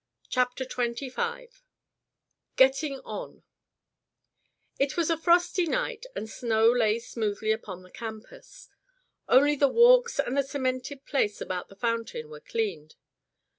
CHAPTER XXV GETTING ON It was a frosty night and snow lay smoothly upon the campus. Only the walks and the cemented place about the fountain were cleaned.